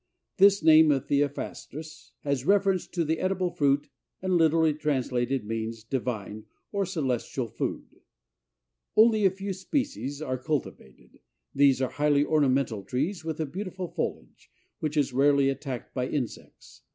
This name of Theophrastus has reference to the edible fruit and literally translated means divine or celestial food. Only a few of the species are cultivated. These are highly ornamental trees with a beautiful foliage, which is rarely attacked by insects.